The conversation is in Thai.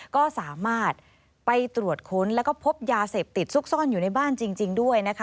ก็สามารถไปตรวจค้นแล้วก็พบยาเสพติดซุกซ่อนอยู่ในบ้านจริงด้วยนะคะ